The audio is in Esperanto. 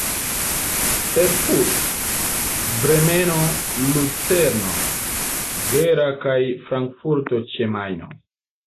Erfurt, Bremeno, Lucerno, Gera kaj Frankfurto ĉe Majno.